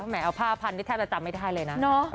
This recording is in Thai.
แหเอาผ้าพันนี่แทบจะจำไม่ได้เลยนะ